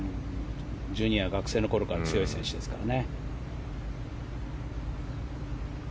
ジュニア、学生のころから強い選手ですね。